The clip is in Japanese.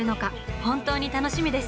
本当に楽しみです！